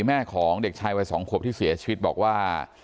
แม่ของเด็กชายวัย๒ขวบที่เสียชีวิตบอกว่า